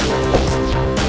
nggak akan ngediam nih